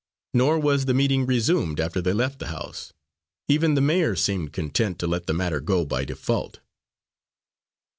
Nor was the meeting resumed after they left the house, even the mayor seeming content to let the matter go by default.